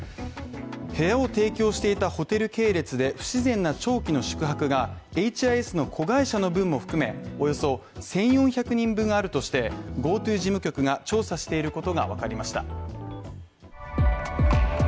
部屋を提供していたホテル系列で不自然な長期の宿泊がエイチ・アイ・エスの子会社の分も含めおよそ１４００人分があるとして、ＧｏＴｏ事務局が調査していることがわかりました